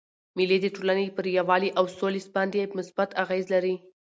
مېلې د ټولني پر یووالي او سولي باندي مثبت اغېز لري.